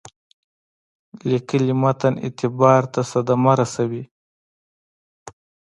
لیکلي متن اعتبار ته صدمه رسوي.